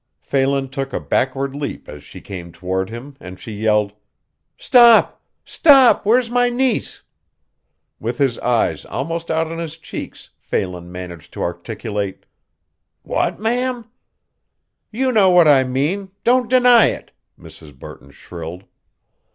Phelan took a backward leap as she came toward him, and she yelled: "Stop! stop! Where's my niece?" With his eyes almost out on his cheeks Phelan managed to articulate: "What, ma'am?" "You know what I mean don't deny it!" Mrs. Burton shrilled.